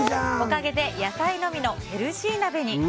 おかげで野菜のみのヘルシー鍋に。